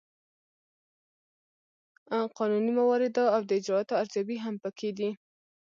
قانوني موارد او د اجرااتو ارزیابي هم پکې دي.